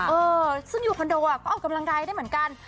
เออซึ่งอยู่คอนโดอ่ะก็ออกกำลังกายได้เหมือนกัน